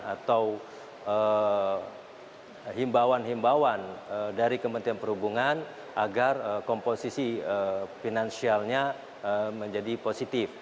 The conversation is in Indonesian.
atau himbauan himbauan dari kementerian perhubungan agar komposisi finansialnya menjadi positif